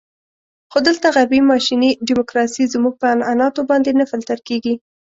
خو دلته غربي ماشیني ډیموکراسي زموږ په عنعناتو باندې نه فلتر کېږي.